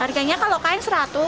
harganya kalau kain seratus